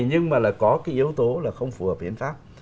nhưng mà là có cái yếu tố là không phù hợp biến pháp